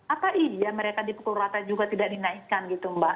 apa iya mereka dipukul rata juga tidak dinaikkan gitu mbak